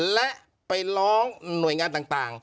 และไปร้องหน่วยงานต่าง